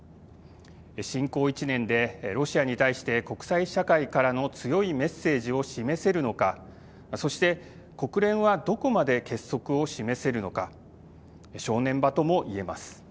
侵攻１年でロシアに対して国際社会からの強いメッセージを示せるのかそして、国連はどこまで結束を示せるのか正念場とも言えます。